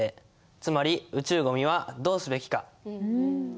つまり宇宙ゴミはどうすべきか」。